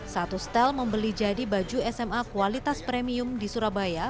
satu setel membeli jadi baju sma kualitas premium di surabaya